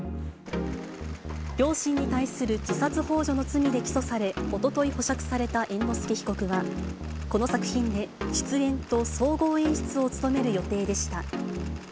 両親に対する自殺ほう助の罪で起訴され、おととい保釈された猿之助被告は、この作品で出演と総合演出を務める予定でした。